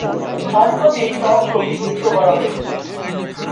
সম্প্রতি এই তন্ত্র বিলুপ্ত করা হয়েছে।